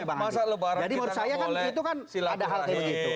masa lebaran kita gak boleh silaturahmi